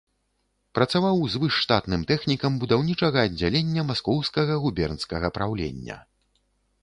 Працаваў звышштатным тэхнікам будаўнічага аддзялення маскоўскага губернскага праўлення.